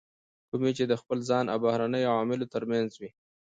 کومې چې د خپل ځان او بهرنیو عواملو ترمنځ وي.